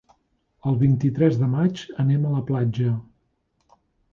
El vint-i-tres de maig anem a la platja.